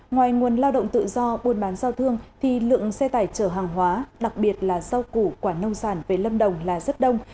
ngoài nguồn lao động tự do buôn bán giao thương thì lượng xe tải trở hàng hóa đặc biệt là giao củ quản nông sản với lâm đồng là rất đông